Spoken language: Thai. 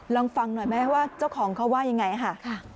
ลองฟังหน่อยไหมว่าเจ้าของเขาว่ายังไงค่ะ